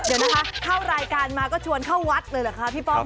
เดี๋ยวนะคะเข้ารายการมาก็ชวนเข้าวัดเลยเหรอคะพี่ป้อง